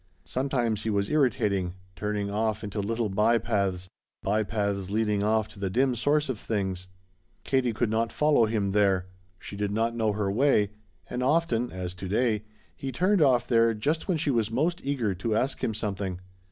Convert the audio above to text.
Sometimes he was irritating, turning off into little by paths, by paths leading off to the dim source of things. Katie could not follow him there; she did not know her way; and often, as to day, he turned off there just when she was most eager to ask him something.